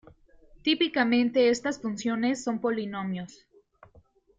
Típicamente estas funciones son polinomios.